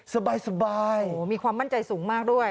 สบายมีความมั่นใจสูงมากด้วย